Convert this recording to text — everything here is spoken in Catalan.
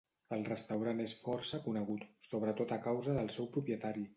El restaurant és força conegut, sobretot a causa del seu propietari.